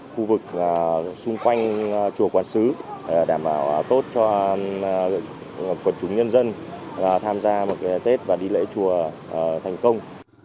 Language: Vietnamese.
khu vực xung quanh chùa quán sứ đảm bảo tốt cho quần chúng nhân dân tham gia một tết và đi lễ chùa thành công